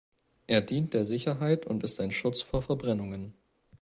Er dient der Sicherheit und ist ein Schutz vor Verbrennungen.